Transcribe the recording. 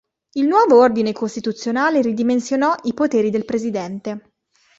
Il nuovo ordine costituzionale ridimensionò i poteri del presidente.